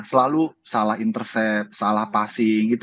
selalu salah intercept salah passing gitu